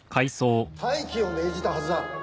待機を命じたはずだ！